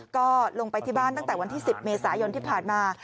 ก็ลงไปที่บ้านตั้งแต่วันที่๑๐เมษายนที่ผ่านมา